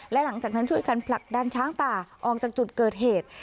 และหลังจากนั้นช่วยกันผลักดันช้างป่าออกจากจุดเกิดเหตุ